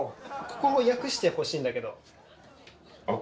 ここを訳してほしいんだけど。